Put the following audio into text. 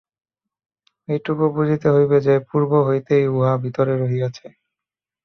এইটুকু বুঝিতে হইবে যে, পূর্ব হইতেই উহা ভিতরে রহিয়াছে।